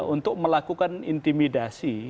untuk melakukan intimidasi